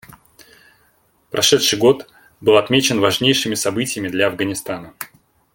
Прошедший год был отмечен важнейшими событиями для Афганистана.